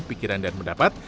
pikiran dan pendapat